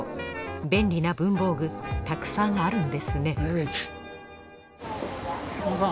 便利な文房具たくさんあるんですね小野さん。